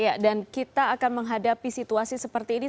ya dan kita akan menghadapi situasi seperti ini